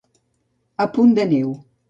A punt de neu.